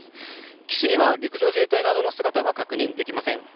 岸には陸上自衛隊などの姿は確認できません。